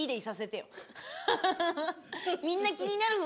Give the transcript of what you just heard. みんな気になる。